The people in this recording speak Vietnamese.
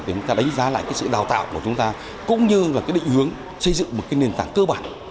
để chúng ta đánh giá lại sự đào tạo của chúng ta cũng như là định hướng xây dựng một nền tảng cơ bản